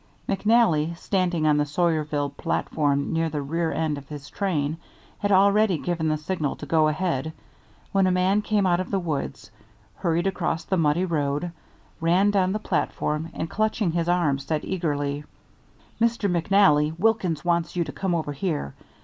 McNally, standing on the Sawyerville platform near the rear end of his train, had already given the signal to go ahead when a man came out of the woods, hurried across the muddy road, ran down the platform, and clutching his arm said eagerly: "Mr. McNally, Wilkins wants you to come over here.